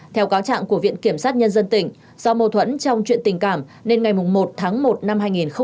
theo cáo trạng của viện kiểm sát nhân dân tỉnh do mâu thuẫn trong chuyện tình cảm nên ngày một tháng một năm hai nghìn một mươi chín